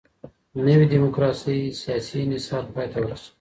نوي ډيموکراسۍ سياسي انحصار پای ته ورساوه.